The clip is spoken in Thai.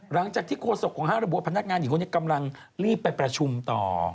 หลังจากที่โฆษกของห้างระบบพนักงานหญิงคนนี้กำลังรีบไปประชุมต่อ